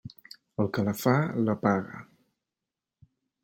El que la fa, la paga.